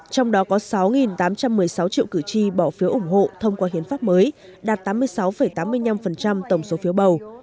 trong đó có sáu tám trăm một mươi sáu triệu cử tri bỏ phiếu ủng hộ thông qua hiến pháp mới đạt tám mươi sáu tám mươi năm tổng số phiếu bầu